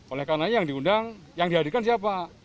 oleh karenanya yang diundang yang dihadirkan siapa